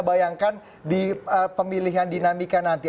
bayangkan di pemilihan dinamika nanti